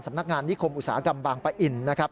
นักงานนิคมอุตสาหกรรมบางปะอินนะครับ